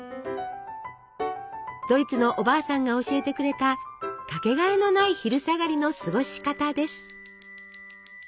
ドイツのおばあさんが教えてくれた掛けがえのない昼下がりの過ごし方です。